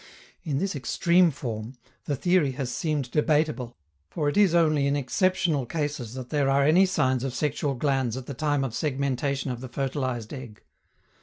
In this extreme form, the theory has seemed debatable, for it is only in exceptional cases that there are any signs of sexual glands at the time of segmentation of the fertilized egg.